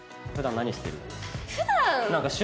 普段何してる？